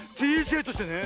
ＤＪとしてね